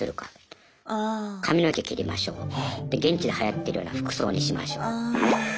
で現地ではやってるような服装にしましょう。